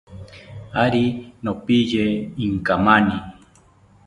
Ari nopiye inkamani